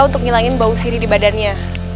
untuk nyalahin bau sirih di badannya